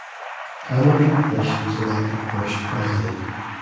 Hamilton Fish was elected first president.